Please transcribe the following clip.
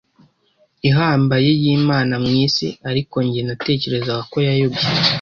ihambaye y’Imana mu isi. Ariko njye natekerezaga ko yayobye